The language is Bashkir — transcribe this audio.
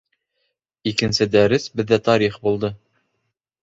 Икенсе дәрес беҙҙә тарих булды